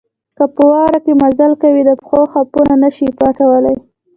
که په واوره کې مزل کوئ د پښو خاپونه نه شئ پټولای.